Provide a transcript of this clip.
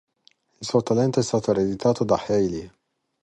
Il suo talento è stato ereditato da Hayley.